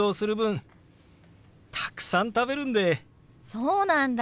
そうなんだ！